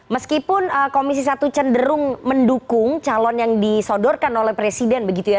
meskipun komisi satu cenderung mendukung calon yang disodorkan oleh presiden begitu ya